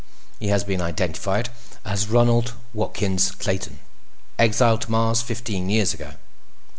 He has been identified as Ronald Watkins Clayton, exiled to Mars fifteen years ago.